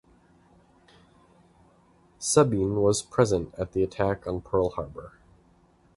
Sabin was present at the Attack on Pearl Harbor.